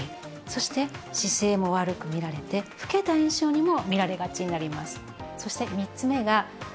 そして姿勢も悪く見られて老けた印象にも見られがちになります。